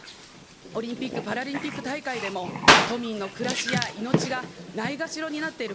オリンピック・パラリンピック大会でも、都民の暮らしや命がないがしろになっている。